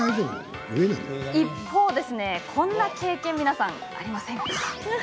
一方でこんな経験ありませんか？